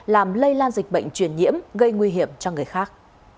làm lây lan dịch bệnh truyền nhiễm gây nguy hiểm cho người khác